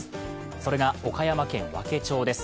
それが岡山県和気町です。